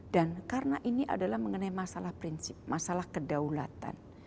dan karena ini adalah mengenai masalah prinsip masalah kedaulatan